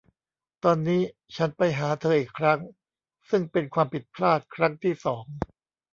ตอนนี้ฉันไปหาเธออีกครั้งซึ่งเป็นความผิดพลาดครั้งที่สอง